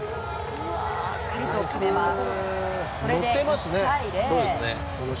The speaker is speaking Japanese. しっかりと決めます。